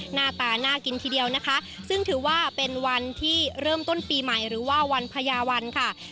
หน้าตาน่ากินทีเดียวนะคะซึ่งถือว่าเป็นวันที่เริ่มต้นปีใหม่หรือว่าวันพญาวันค่ะ